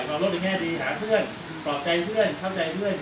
มีความรู้ในแน่นดีหาเพื่อนตอบใจเพื่อนเข้าใจเพื่อนครับ